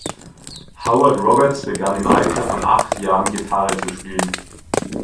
Howard Roberts begann im Alter von acht Jahren Gitarre zu spielen.